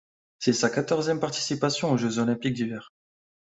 C'est sa quatorzième participation aux Jeux olympiques d'hiver.